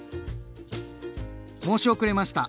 申し遅れました！